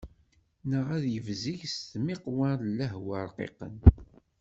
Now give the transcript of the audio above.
Neɣ ad yebzeg s tmiqwa n lehwa rqiqen.